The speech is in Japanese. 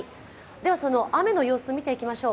ではその雨の様子見ていきましょう。